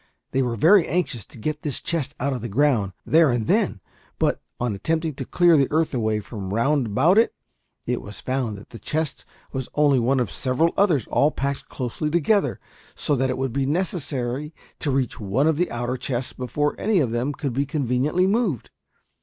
They were very anxious to get this chest out of the ground, there and then; but on attempting to clear the earth away from round about it, it was found that the chest was only one of several others all packed closely together, so that it would be necessary to reach one of the outer chests before any of them could be conveniently moved.